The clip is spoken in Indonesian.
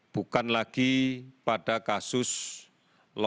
bukan lagi pada kasus lokal